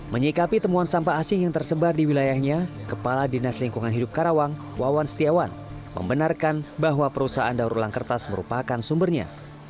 menyikapi temuan sampah asing yang tersebar di wilayahnya kepala dinas lingkungan hidup karawang wawan setiawan membenarkan bahwa perusahaan daur ulang kertas merupakan sumbernya